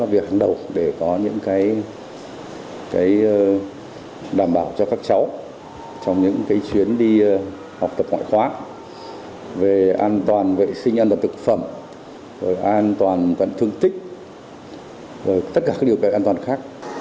về học tập ngoại khóa về an toàn vệ sinh an toàn thực phẩm an toàn thương tích tất cả các điều an toàn khác